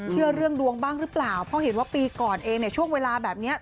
เชื่อเรื่องดวงบ้างหรือเปล่าเพราะเห็นว่าปีก่อนเองเนี่ยช่วงเวลาแบบนี้